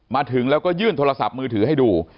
มาถึงแล้วก็ยื่นโทรศัพท์มือถือให้ดู